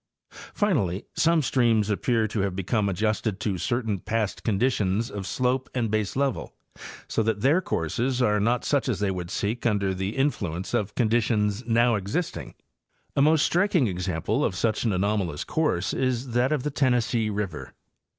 Finally some streams appear to have become adjusted to cer tain past conditions of slope and baselevel, so that their courses are not such as they would seek under the influence of condi tions now existing. A most striking example of such an anom alous course is that of the Tennessee river.